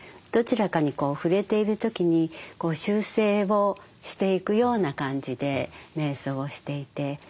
どちらかにこう振れている時に修正をしていくような感じでめい想をしていて。